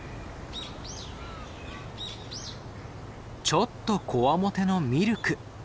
ちょっとこわもてのミルク。